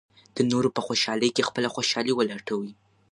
د نورو په خوشالۍ کې خپله خوشالي ولټوئ.